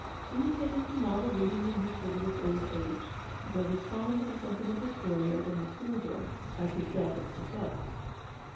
He had taken to novel reading in his frivolous old age, and was as fond of a sentimental story as any school girl, — as his daughter herself.